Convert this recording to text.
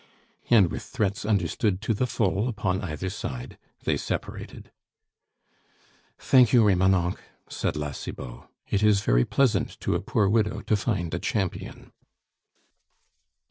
And with threats understood to the full upon either side, they separated. "Thank you, Remonencq!" said La Cibot; "it is very pleasant to a poor widow to find a champion."